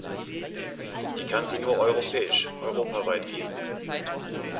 Die kann sie nur europäisch, europaweit geben.